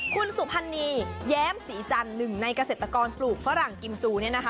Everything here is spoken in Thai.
คุณสุพรรณีแย้มศรีจันทร์หนึ่งในเกษตรกรปลูกฝรั่งกิมจูเนี่ยนะคะ